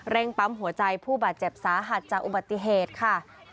ปั๊มหัวใจผู้บาดเจ็บสาหัสจากอุบัติเหตุค่ะ